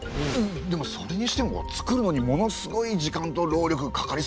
でもそれにしてもつくるのにものすごい時間と労力がかかりそうですよね。